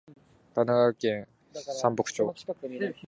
神奈川県山北町